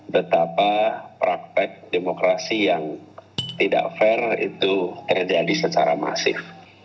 betapa praktek demokrasi yang tidak fair itu terjadi secara masif